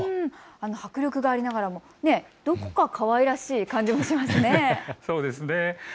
迫力がありながらもどこかかわいらしい感じもしますね。